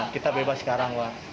kita bebas sekarang